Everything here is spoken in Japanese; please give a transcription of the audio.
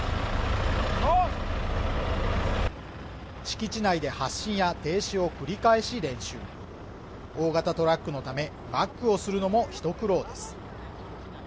敷地内で発進や停止を繰り返し練習大型トラックのためバックをするのも一苦労です